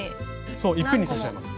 そういっぺんに刺しちゃいます。